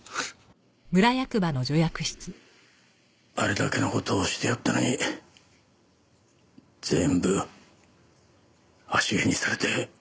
あれだけの事をしてやったのに全部足蹴にされて。